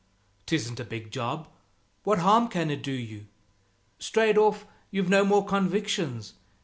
'Tisn't a big job. What harm can it do you? Straight off, you've no more convictions.